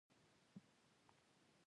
د رخسانې نوم په تاریخ کې مشهور دی